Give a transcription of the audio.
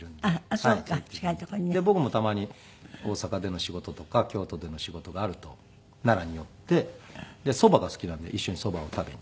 僕もたまに大阪での仕事とか京都での仕事があると奈良に寄ってそばが好きなんで一緒にそばを食べに。